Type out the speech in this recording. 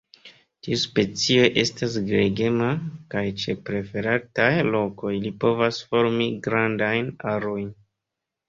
Tiu specio estas gregema, kaj ĉe preferataj lokoj ili povas formi grandajn arojn.